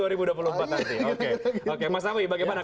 oke oke mas awi bagaimana